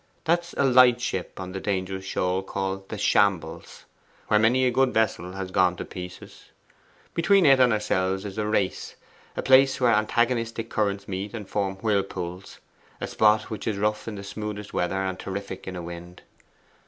That's a light ship on the dangerous shoal called the Shambles, where many a good vessel has gone to pieces. Between it and ourselves is the Race a place where antagonistic currents meet and form whirlpools a spot which is rough in the smoothest weather, and terrific in a wind.